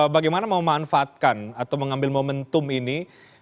bagaimana memanfaatkan atau mengambil momentum ini